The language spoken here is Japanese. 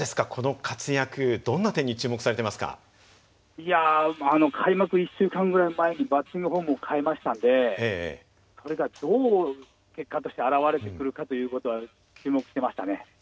☎いや開幕１週間ぐらい前にバッティングフォームを変えましたんでそれがどう結果として現れてくるかという事は注目してましたね。